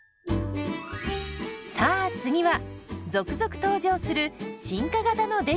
さあ次は続々登場する進化型のデニッシュ。